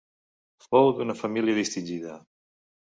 Fou d'una família distingida.